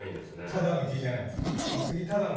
ただの木じゃないです。